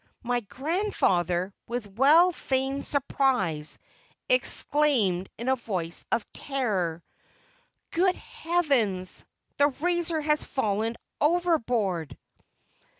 My grandfather, with well feigned surprise, exclaimed in a voice of terror, "Good heavens! the razor has fallen overboard!"